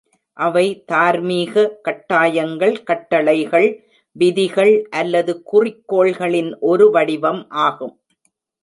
அவை தார்மீக கட்டாயங்கள், கட்டளைகள், விதிகள் அல்லது குறிக்கோள்களின் ஒரு வடிவம் ஆகும்.